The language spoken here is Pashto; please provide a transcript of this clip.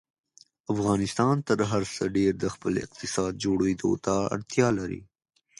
افغانستان تر هر څه ډېر د خپل اقتصاد جوړېدو ته اړتیا لري.